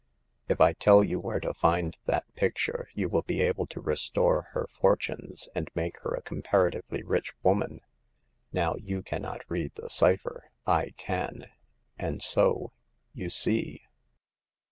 If I tell you where to find that picture, you will be able to restore her fortunes, and make her a comparatively rich woman. Now you cannot read the cypher ; I can ; and so — ^you see